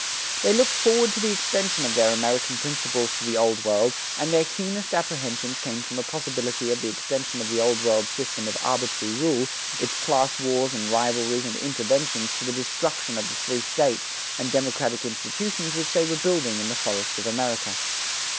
They looked forward to the extension of their American principles to the Old World and their keenest apprehensions came from the possibility of the extension of the Old World's system of arbitrary rule, its class wars and rivalries and interventions to the destruction of the free States and democratic institutions which they were building in the forests of America.